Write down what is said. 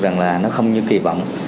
rằng là nó không như kỳ vọng